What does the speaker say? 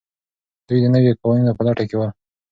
دوی د نویو قوانینو په لټه کې ول.